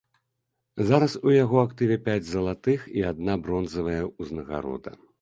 Зараз у яго актыве пяць залатых і адна бронзавая ўзнагарода.